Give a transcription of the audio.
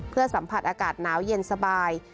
เพื่อสัมผัสอากาศหนาวเย็นสบาย